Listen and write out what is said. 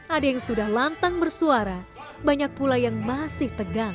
ada yang sudah lantang bersuara banyak pula yang masih tegang